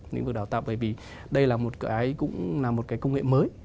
lĩnh vực đào tạo bởi vì đây là một cái cũng là một cái công nghệ mới